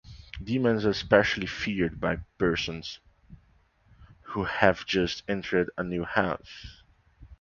Demons are especially feared by persons who have just entered a new house.